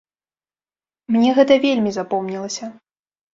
Мне гэта вельмі запомнілася.